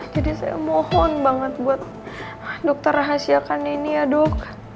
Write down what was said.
jadi saya mohon banget buat dokter rahasiakan ini ya dok